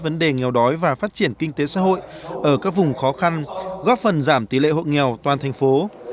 vấn đề nghèo đói và phát triển kinh tế xã hội ở các vùng khó khăn góp phần giảm tỷ lệ hộ nghèo toàn thành phố